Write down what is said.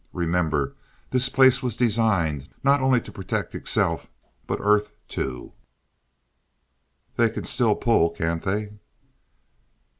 Remember, this place was designed not only to protect itself, but Earth, too." "They can still pull, can't they?"